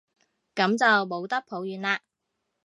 噉就冇得抱怨喇